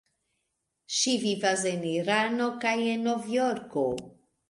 Ŝi vivas en Irano kaj en Novjorko.